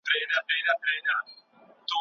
باید هره ورځ د خپلو تېرو کړنو په اړه لږ فکر وکړو.